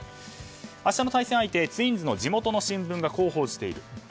明日の対戦相手ツインズの地元の新聞がこう報じている。